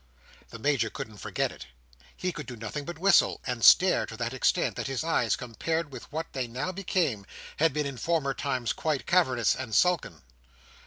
The Major couldn't forget it. He could do nothing but whistle, and stare to that extent, that his eyes, compared with what they now became, had been in former times quite cavernous and sunken.